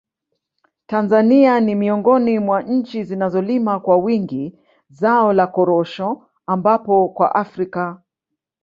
Tanzania ni miongoni mwa nchi zinazolima kwa wingi zao la korosho ambapo kwa Afrika